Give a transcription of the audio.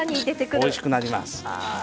おいしくなります。